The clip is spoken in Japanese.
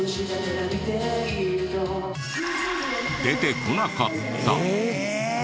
出てこなかった。